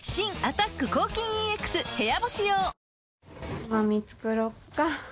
つまみ作ろうか？